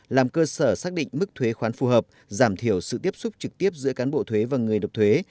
làm cơ sở xác định mức thuế khoán phù hợp giảm thiểu sự tiếp xúc trực tiếp giữa cán bộ thuế và người nộp thuế